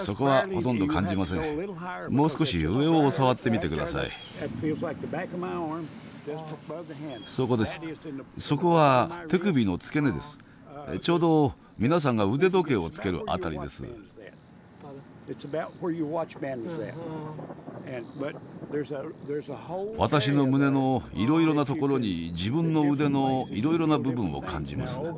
私の胸のいろいろな所に自分の腕のいろいろな部分を感じます。